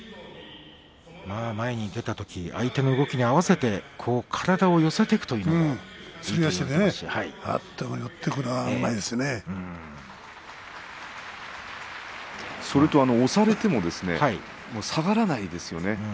前に出たとき相手の動きに合わせて寄っていくのがそれと押されても下がらないですよね。